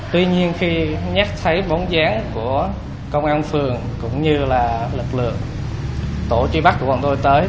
tuy nhiên khi nhắc thấy bóng dáng của công an phường cũng như là lực lượng tổ truy bắt của bọn tôi tới